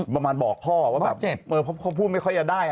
ประมาณบอกพ่อว่าแบบเพราะพูดไม่ค่อยจะได้